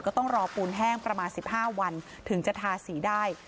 ก็ต้องรอปูนแห้งประมาณ๑๕วันถึงจะทาสีได้